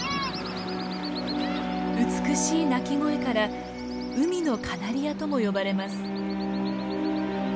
美しい鳴き声から「海のカナリア」とも呼ばれます。